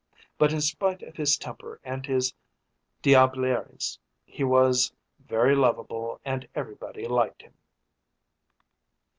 But in spite of his temper and his diableries he was very lovable and everybody liked him.